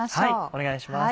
お願いします。